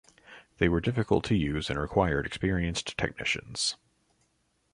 They were difficult to use and required experienced technicians.